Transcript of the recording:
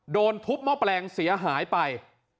โดนทุบหม้อแปลงเสียหายไป